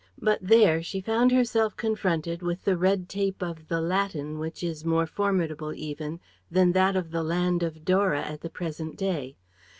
But there she found herself confronted with the red tape of the Latin which is more formidable, even, than that of the land of Dora at the present day.